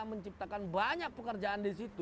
menciptakan banyak pekerjaan di situ